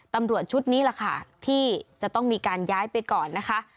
ตำรวจชุดนี้แหละค่ะที่จะต้องมีการย้ายไปก่อนนะคะ